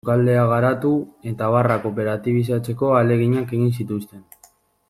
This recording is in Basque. Sukaldea garatu eta barra kooperatibizatzeko ahaleginak egin zituzten.